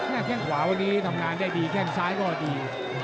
แข้งขวาวันนี้ทำงานได้ดีแข้งซ้ายก็ดี